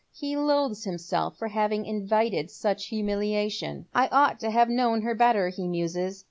He loathes himself for having invited such humiliation. " I ought to have known her better," he muses.